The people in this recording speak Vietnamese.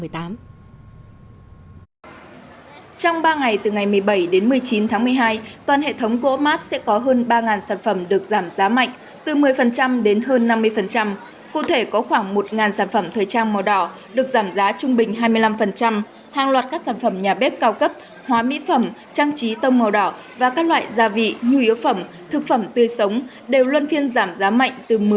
trong ba ngày từ ngày một mươi bảy đến một mươi chín tháng một mươi hai toàn hệ thống của co op mart sẽ có hơn ba sản phẩm được giảm giá mạnh từ một mươi đến hơn năm mươi cụ thể có khoảng một sản phẩm thời trang màu đỏ được giảm giá trung bình hai mươi năm hàng loạt các sản phẩm nhà bếp cao cấp hóa mỹ phẩm trang trí tông màu đỏ và các loại gia vị nhu yếu phẩm thực phẩm tươi sống đều luân phiên giảm giá mạnh từ một mươi đến năm mươi